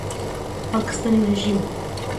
پاکستاني ریژیم